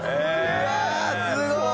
うわあすごい！